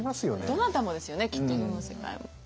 どなたもですよねきっとどの世界も。